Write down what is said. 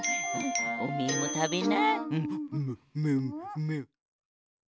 おめえもたべな。